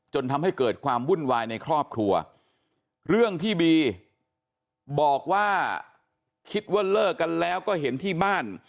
จนทำให้เกิดความวุ่นวายในครอบครัวเรื่องที่บีบอกว่าคิดว่าเลิกกันแล้วก็เห็นที่บ้าน